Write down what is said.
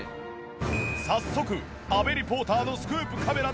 早速阿部リポーターのスクープカメラで現場へ。